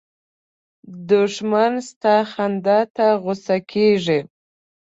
دښمن ستا خندا ته غوسه کېږي